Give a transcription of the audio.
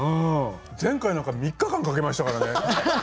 前回なんか３日間かけましたからね。